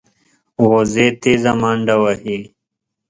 وزې تېزه منډه وهي